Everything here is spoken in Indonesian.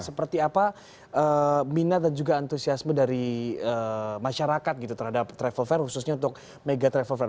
seperti apa minat dan juga antusiasme dari masyarakat gitu terhadap travel fair khususnya untuk mega travel fair